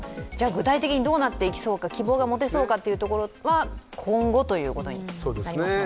具体的にどうなっていきそうか希望が持てそうかということは今後ということになりますかね。